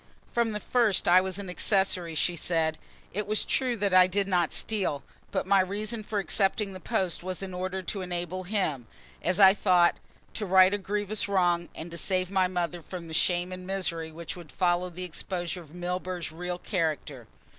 "From the first I was an accessory," she said. "It is true that I did not steal, but my reason for accepting the post was in order to enable him, as I thought, to right a grievous wrong and to save my mother from the shame and misery which would follow the exposure of Milburgh's real character."